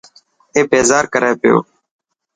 اي بيزار ڪري پيو.